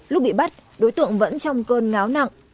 lúc bị bắt đối tượng vẫn trong cơn ngáo nặng